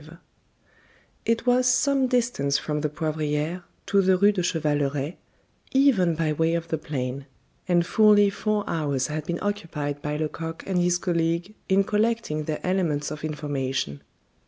V It was some distance from the Poivriere to the Rue de Chevaleret, even by way of the plain, and fully four hours had been occupied by Lecoq and his colleague in collecting their elements of information.